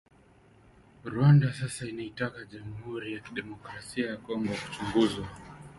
Rwanda sasa inataka jamuhuri ya kidemokrasia ya Kongo kuchunguzwa